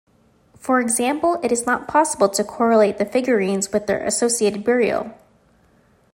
For example, it is not possible to correlate the figurines with their associated burial.